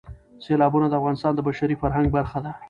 سیلابونه د افغانستان د بشري فرهنګ برخه ده.